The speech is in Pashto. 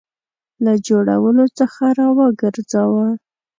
له جوړولو څخه را وګرځاوه.